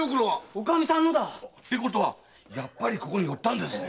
おかみさんのだ。ってことはやっぱりここに寄ったんですぜ。